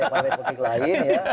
pada politik lain